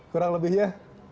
kurang lebih ya